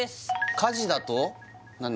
家事だと何だ？